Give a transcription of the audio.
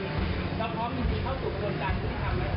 เราพร้อมยิ่งดีเข้าสู่ประโยชน์การศูนย์ดำเลย